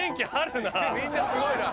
みんなすごいな。